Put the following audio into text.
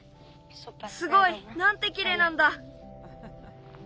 すごい！なんてきれいなんだ。